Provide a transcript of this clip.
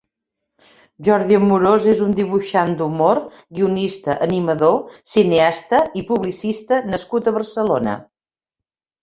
Jordi Amorós és un dibuixant d'humor, guionista, animador, cineasta i publicista nascut a Barcelona.